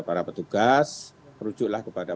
para petugas perucuklah kepada